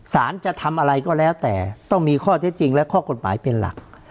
จะทำอะไรก็แล้วแต่ต้องมีข้อเท็จจริงและข้อกฎหมายเป็นหลัก